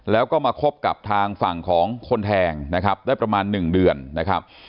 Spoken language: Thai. แล้วก็มาคบกับทางฝั่งของคนแทงนะครับได้ประมาณ๑เดือนนะครับ